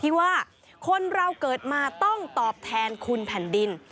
ที่ว่าคนเราเกิดมาต้องตอบแทนคุณแผ่นดิน